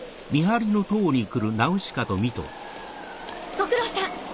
ご苦労さん。